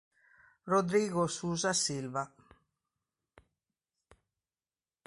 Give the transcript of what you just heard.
Rodrigo Souza Silva